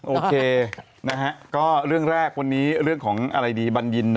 โอเคนะฮะก็เรื่องแรกวันนี้เรื่องของอะไรดีบัญญิน